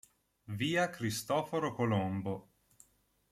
Via Cristoforo Colombo